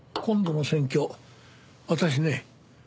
今度の選挙私ね